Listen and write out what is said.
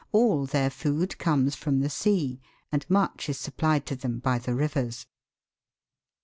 All their food comes from the sea, and much is supplied to them by the rivers.